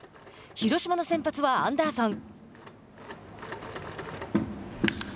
広島の先発はアンダーソン。